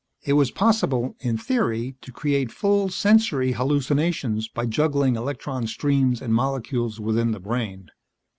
It was possible, in theory, to create full sensory hallucinations by juggling electron streams and molecules within the brain.